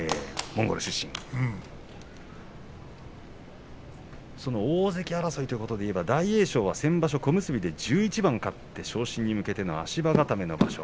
モンゴル出身大関争いということでいえば大栄翔は先場所小結で１１番勝って昇進に向けて足固めの場所。